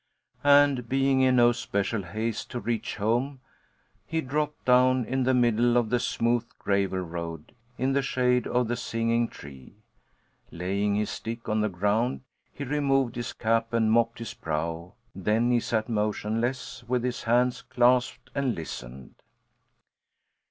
And being in no special haste to reach home, he dropped down in the middle of the smooth gravel road, in the shade of the singing tree. Laying his stick on the ground, he removed his cap and mopped his brow, then he sat motionless, with hands clasped, and listened.